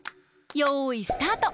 よいスタート！